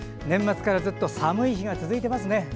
年末からずっと寒い日が続いてますね。